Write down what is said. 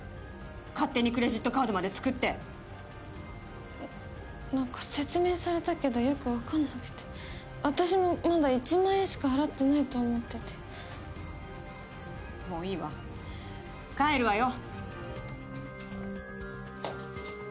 勝手にクレジットカードまで作ってえっ何か説明されたけどよく分かんなくて私もまだ１万円しか払ってないと思っててもういいわ帰るわよ